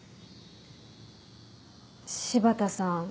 柴田さん